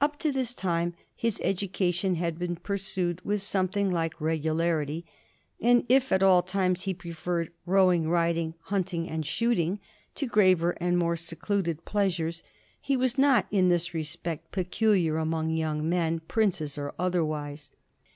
Up to this time his education had been pursued with something like reg ularity; and if at all times he preferred rowing, riding, hunting, and shooting to graver and more secluded pleas ures, he was not in this respect peculiar among young men, princes or otherwise.